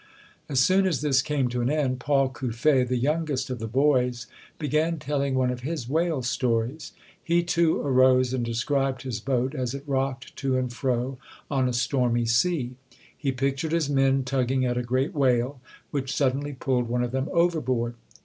As soon as this came to an end, Paul Cuffe, the youngest of the boys, began telling one of his whale stories. He, too, arose and described his boat as it rocked to and fro on a stormy sea. He pictured his men tugging at a great whale, which suddenly pulled one of them overboard.